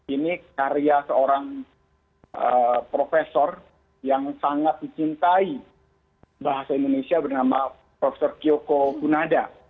ini karya seorang profesor yang sangat dicintai bahasa indonesia bernama prof kyoko kunada